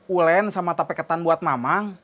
ulen sama tape ketan buat mamang